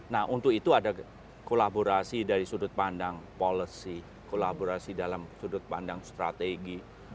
nah untuk itu ada kolaborasi dari sudut pandang policy kolaborasi dalam sudut pandang strategi